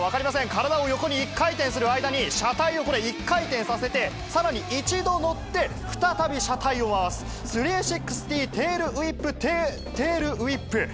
体を横に１回転する間に、車体をこれ、１回転させて、さらに１度乗って、再び車体を回す３６０テールウィップ・トゥー・テールウィップ。